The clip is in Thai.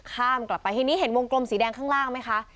ข้ามกลับไปทีนี้เห็นวงกลมสีแดงข้างล่างไหมคะ